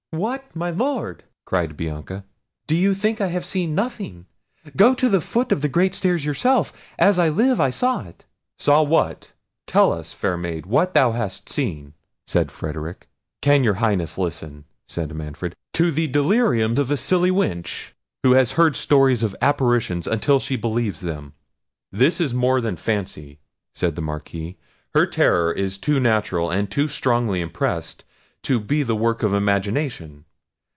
"What! my Lord," cried Bianca, "do you think I have seen nothing? go to the foot of the great stairs yourself—as I live I saw it." "Saw what? tell us, fair maid, what thou hast seen," said Frederic. "Can your Highness listen," said Manfred, "to the delirium of a silly wench, who has heard stories of apparitions until she believes them?" "This is more than fancy," said the Marquis; "her terror is too natural and too strongly impressed to be the work of imagination.